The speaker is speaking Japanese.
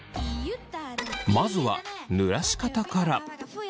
まずはぬらし方から。